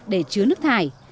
để chứa nước thải